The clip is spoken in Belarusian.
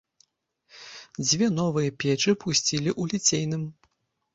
Дзве новыя печы пусцілі ў ліцейным.